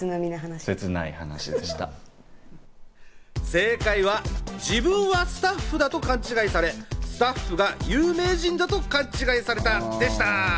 正解は自分はスタッフだと勘違いされ、スタッフが有名人だと勘違いされたでした。